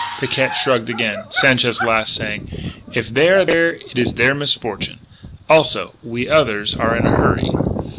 Picquet shrugged again; Sanchez laughed, saying: "If they are there it is their misfortune. Also, we others are in a hurry."